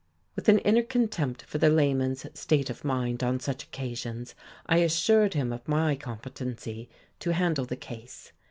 With an inner contempt for the layman's state of mind on such occasions I assured him of my competency to handle the case.